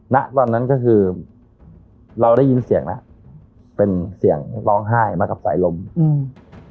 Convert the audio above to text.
ณตอนนั้นก็คือเราได้ยินเสียงแล้วเป็นเสียงร้องไห้มากับสายลมอืม